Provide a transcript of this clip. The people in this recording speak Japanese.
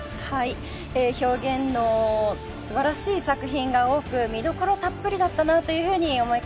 表現の素晴らしい作品が多く見どころたっぷりだったなというふうに思い返します。